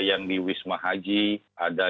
yang di wisma haji ada